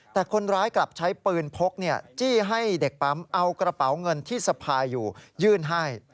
แต่คนร้ายกลับใช้ปืนพกจี้ให้เด็กปั๊มเอากระเป๋าเงินที่สะพายอยู่ยื่นให้